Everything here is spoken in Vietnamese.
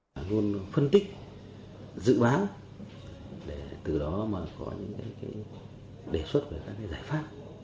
luôn phân tích dự bán để từ đó mà có những cái đề xuất về các cái giải pháp